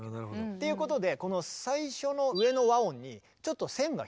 っていうことでこの最初の上の和音にちょっと線が引っ張ってある。